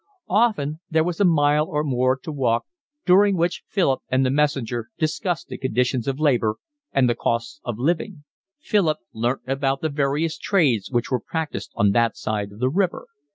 Often there was a mile or more to walk, during which Philip and the messenger discussed the conditions of labour and the cost of living; Philip learnt about the various trades which were practised on that side of the river.